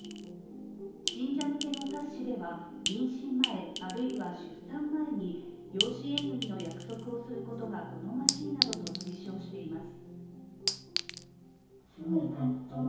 信者向けの冊子では妊娠前、あるいは出産前に養子縁組の約束をすることが好ましいなどと推奨しています。